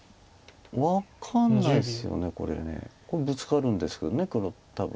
これブツカるんですけど黒多分。